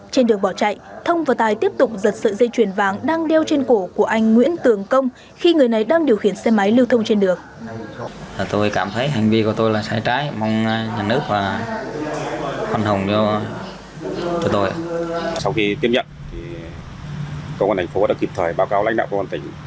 trên đường bỏ chạy thông và tài tiếp tục giật sợi dây chuyền vàng đang đeo trên cổ của anh nguyễn tường công khi người này đang điều khiển xe máy lưu thông trên đường